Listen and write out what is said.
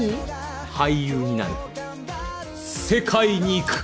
俳優になる世界に行く！